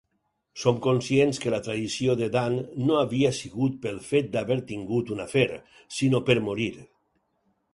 Som conscients que la traïció de Dan no havia sigut pel fet d'haver tingut un afer, sinó per morir.